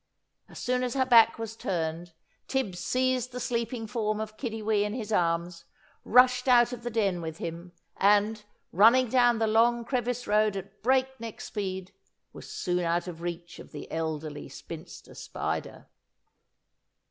As soon as her back was turned, Tibbs seized the sleeping form of Kiddiwee in his arms, rushed out of the den with him, and, running down the long crevice road at breakneck speed, was soon out of reach of the Elderly Spinster Spider.